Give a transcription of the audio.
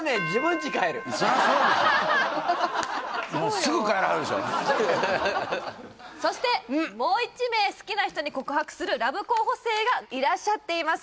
すぐそしてもう一名好きな人に告白するラブ候補生がいらっしゃっています